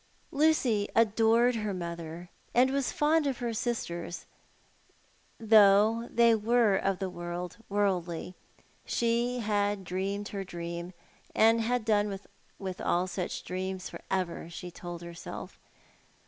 Lucy adored her mother, and was fond of her sisters, though they were of the world worldly. She had dreamed her dream, and had done with all such dreams for ever, she told herself.